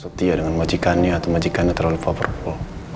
setia dengan majikannya atau majikannya terlalu powerful